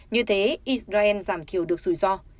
như thế israel giảm thiểu được rủi ro